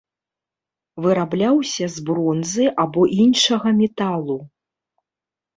Вырабляўся з бронзы або іншага металу.